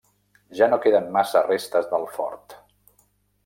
Ja no queden massa restes del fort.